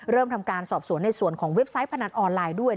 เริ่มทำการสอบสวนในส่วนของเว็บไซต์พนันออนไลน์ด้วย